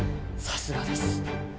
さすがです。